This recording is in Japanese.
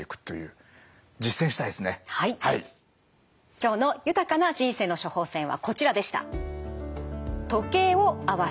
今日の豊かな人生の処方せんはこちらでした。